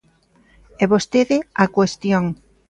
E vostede á cuestión.